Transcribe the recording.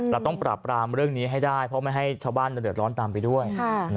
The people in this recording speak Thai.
เราต้องปราบปรามเรื่องนี้ให้ได้เพราะไม่ให้ชาวบ้านเดือดร้อนตามไปด้วย